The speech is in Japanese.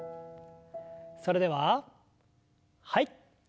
それでははい。